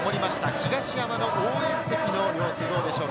東山の応援席の様子、どうでしょうか？